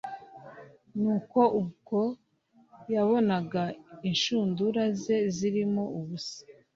nuko ubwo yabonaga inshurudura ze zirimo ubusa,